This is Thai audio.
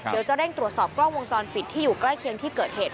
เดี๋ยวจะเร่งตรวจสอบกล้องวงจรปิดที่อยู่ใกล้เคียงที่เกิดเหตุ